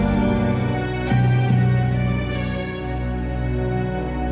gue mau pergi ke rumah